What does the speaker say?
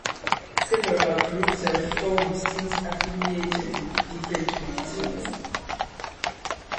Several groups have formed since, affiliated with different traditions.